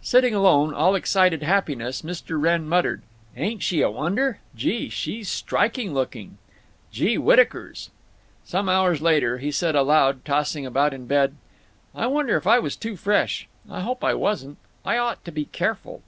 Sitting alone, all excited happiness, Mr. Wrenn muttered: "Ain't she a wonder! Gee! she's striking lookin'! Gee whittakers!" Some hours later he said aloud, tossing about in bed: "I wonder if I was too fresh. I hope I wasn't. I ought to be careful."